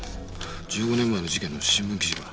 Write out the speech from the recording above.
１５年前の事件の新聞記事か？